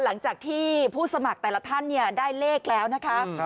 หลังจากที่ผู้สมัครแต่ละท่านได้เลขแล้วนะคะ